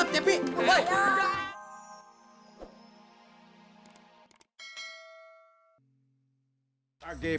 ayo cepi kita tengah cepi